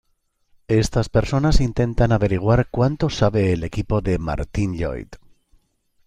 Estas personas intentan averiguar cuanto sabe el equipo de Martín Lloyd.